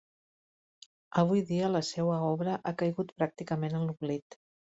Avui dia la seua obra ha caigut pràcticament en l'oblit.